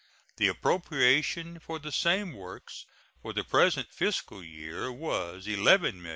The appropriation for the same works for the present fiscal year was $11,984,518.